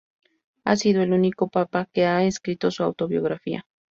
Ha sido el único papa que ha escrito su autobiografía.